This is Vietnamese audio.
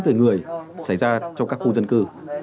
về người xảy ra trong các khu dân cư